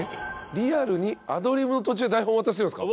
リアルにアドリブの途中に台本渡してるんですか？